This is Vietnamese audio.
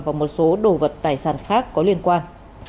và một số đồ vật tài sản khác có liên quan